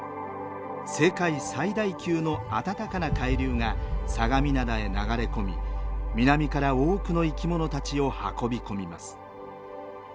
世界最大級の暖かな海流が相模灘へ流れ込み南から多くの生きものたちを運び込みます。